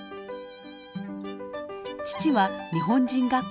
父は日本人学校の校長。